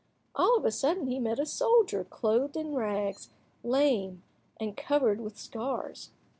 All of a sudden he met a soldier clothed in rags, lame, and covered with scars.